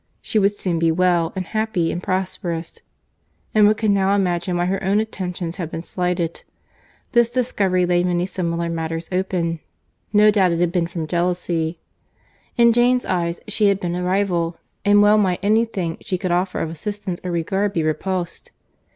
—She would soon be well, and happy, and prosperous.—Emma could now imagine why her own attentions had been slighted. This discovery laid many smaller matters open. No doubt it had been from jealousy.—In Jane's eyes she had been a rival; and well might any thing she could offer of assistance or regard be repulsed.